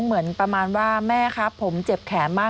เหมือนประมาณว่าแม่ครับผมเจ็บแขนมาก